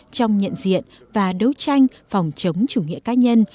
trong nhận diện và đấu tranh phòng chống chủ nghĩa cá nhân